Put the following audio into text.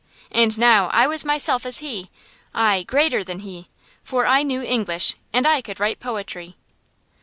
And now I was myself as he: aye, greater than he; for I knew English, and I could write poetry.